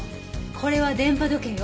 これは電波時計よ。